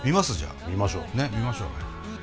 ねっ見ましょう。